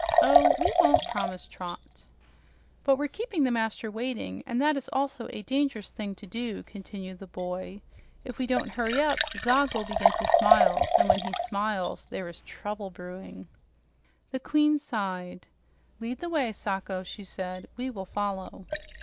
"Oh, we won't," promised Trot. "But we're keeping the master waiting, and that is also a dangerous thing to do," continued the boy. "If we don't hurry up, Zog will begin to smile, and when he smiles there is trouble brewing." The queen sighed. "Lead the way, Sacho," she said. "We will follow."